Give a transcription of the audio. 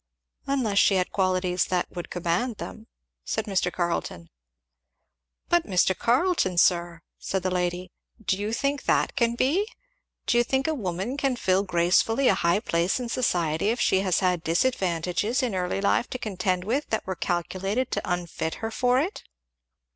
"Unless she had qualities that would command them," said Mr. Carleton. "But Mr. Carleton, sir," said the lady, "do you think that can be? do you think a woman can fill gracefully a high place in society if she has had disadvantages in early life to contend with that were calculated to unfit her for it?"